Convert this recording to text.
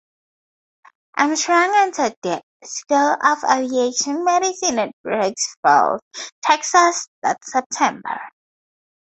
Armstrong entered the School of Aviation Medicine at Brooks Field, Texas, that September.